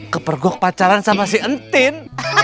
kepergok pacaran sama si entin